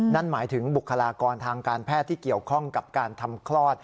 นั่นหมายถึงบุคลากรทางการแพทย์ที่เกี่ยวข้องกับการทำคลอด